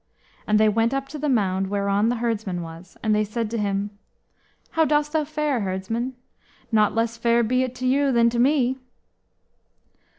And they went up to the mound whereon the herdsman was, and they said to him, "How dost thou fare, herdsman?" "Not less fair be it to you than to me."